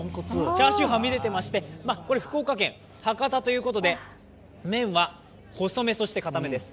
チャーシューはみ出ていまして、福岡県博多ということで麺は細め、そして硬めです。